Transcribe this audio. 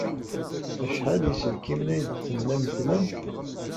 Acḥal n yiselkimen ay d-tennam tlam?